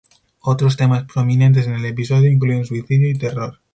Otros temas prominentes en el episodio incluyen suicidio y terror.